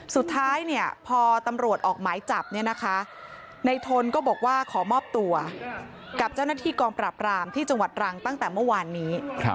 สุดท้ายพอตำรวจออกหมายจับในทนก็บอกว่าขอมอบตัวกับเจ้าหน้าที่กองปราบรามที่จังหวัดรังตั้งแต่เมื่อวานนี้